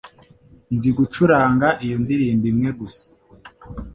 Nzi gucuranga iyo ndirimbo imwe gusa.